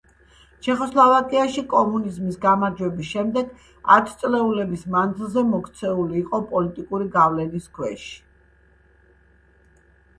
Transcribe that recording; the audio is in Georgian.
ჩეხოსლოვაკიაში კომუნიზმის გამარჯვების შემდეგ ათწლეულების მანძილზე მოქცეული იყო პოლიტიკური გავლენის ქვეშ.